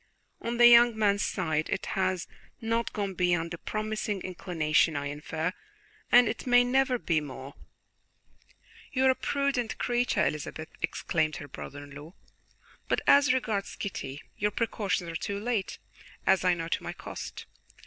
On the young man's side it has not gone beyond a promising inclination, I infer, and it may never be more." "You are a prudent creature, Elizabeth," exclaimed her brother in law; "but as regards Kitty, your precautions are too late, as I know to my cost.